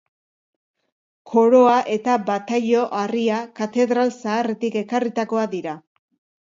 Koroa eta bataio harria katedral zaharretik ekarritakoak dira.